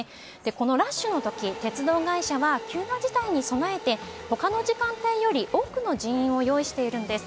このラッシュの時鉄道会社は急の事態に備えて他の時間帯より多くの人員を用意しているんです。